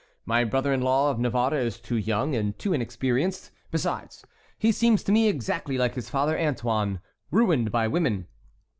My brother in law of Navarre is too young and too inexperienced; besides, he seems to me exactly like his father Antoine, ruined by women.